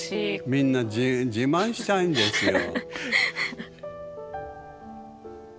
みんな自慢したいんですよ。